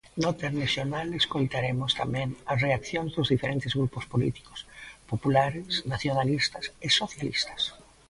No telexornal escoitaremos tamén as reaccións dos diferentes grupos políticos: populares, nacionalistas e socialistas.